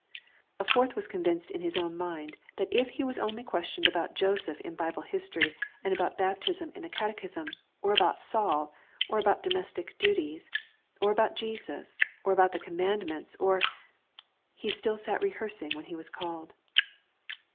A fourth was convinced in his own mind that if he was only questioned about Joseph in Bible history and about baptism in the Catechism, or about Saul, or about domestic duties, or about Jesus, or about the Commandments, or he still sat rehearsing when he was called.